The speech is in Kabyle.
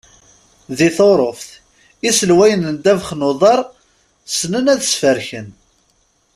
Di Turuft, iselwayen n trebbaɛ n ddabex n uḍar ssnen ad sfreken.